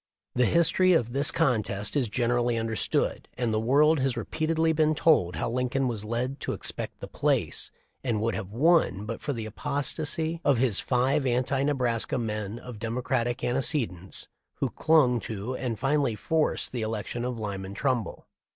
The history of this contest is generally understood, and the world has repeatedly been told how Lincoln was led to expect the place and would have won but for the apostasy of the five anti Nebraska men of Democratic antecedents who clung to and finally forced the election of Lyman Trumbull.